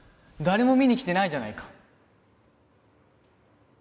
誰も見に来てないじゃないか。